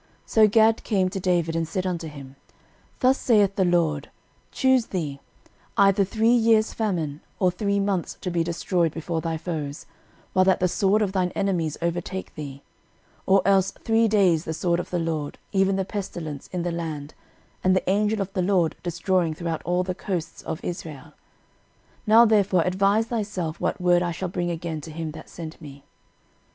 13:021:011 So Gad came to David, and said unto him, Thus saith the LORD, Choose thee 13:021:012 Either three years' famine; or three months to be destroyed before thy foes, while that the sword of thine enemies overtaketh thee; or else three days the sword of the LORD, even the pestilence, in the land, and the angel of the LORD destroying throughout all the coasts of Israel. Now therefore advise thyself what word I shall bring again to him that sent me.